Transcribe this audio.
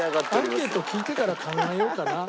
アンケート聞いてから考えようかな。